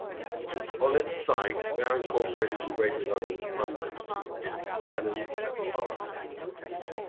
On its site, now incorporated in Greater London, is Canons Park.